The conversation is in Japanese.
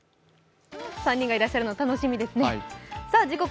３人がいらっしゃるの楽しみですね。